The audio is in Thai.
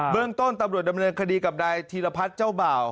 เรื่องต้นตำรวจดำเนินคดีกับนายธีรพัฒน์เจ้าบ่าว